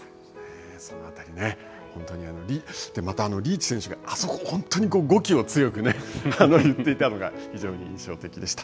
その辺り、本当にまたリーチ選手があそこで本当に語気を強く言っていたのが、非常に印象的でした。